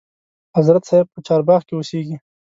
حضرت صاحب په چارباغ کې اوسیږي.